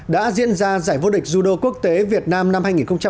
đã diễn ra giải vô địch judo quốc tế việt nam năm hai nghìn một mươi sáu